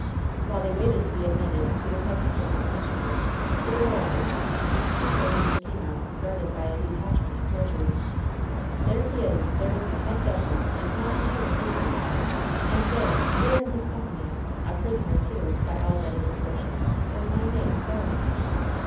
While they waited to be admitted to the presence of the commissioner, the door opened, and two prisoners came out, guarded by a detachment of soldiers. "There he is! There is the head devil — ^and not in irons, either I And there — there, in his company — ^a prisoner, too, by all that is atrocious I — is my mate, Ro land!"